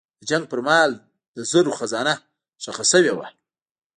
د جنګ پر مهال د زرو خزانه ښخه شوې وه.